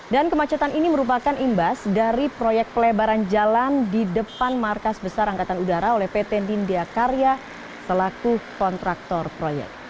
kemacetan ini merupakan imbas dari proyek pelebaran jalan di depan markas besar angkatan udara oleh pt nindya karya selaku kontraktor proyek